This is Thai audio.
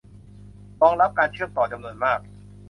รองรับการเชื่อมต่อจำนวนมาก